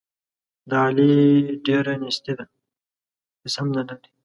د علي ډېره نیستي ده، هېڅ هم نه لري.